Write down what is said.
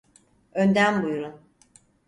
Önden buyurun.